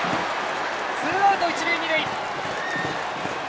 ツーアウト、一塁二塁。